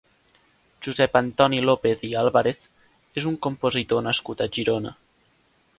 Josep Antoni López i Àlvarez és un compositor nascut a Girona.